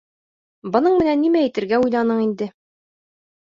Бының менән нимә әйтергә уйланың инде?